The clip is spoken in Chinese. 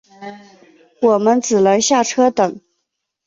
我们只能下车等